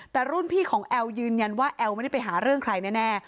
แต่รุ่นพี่ของแอลยืนยันว่าแอลไม่ได้ไปหาเรื่องใครแน่